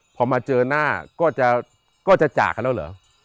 พอมาเจอหน้าก็จะจากกันแล้วเหรอ